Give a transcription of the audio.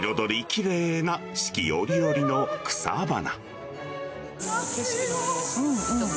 きれいな四季折々の草花。